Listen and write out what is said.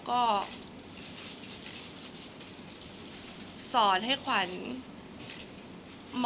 คนเราถ้าใช้ชีวิตมาจนถึงอายุขนาดนี้แล้วค่ะ